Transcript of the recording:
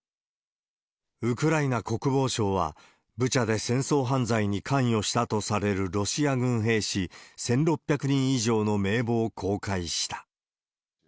ウクライナ国防省は、ブチャで戦争犯罪に関与したとされるロシア軍兵士１６００人以上の名簿を公開した。